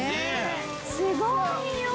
すごいよ！